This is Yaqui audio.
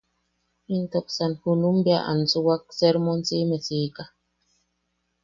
Intoksan junum bea ansuwak sermon si’ime siika.